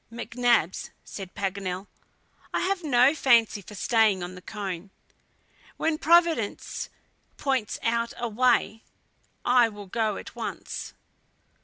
"McNabbs," said Paganel, "I have no fancy for staying on the cone. When Providence points out a way, I will go at once."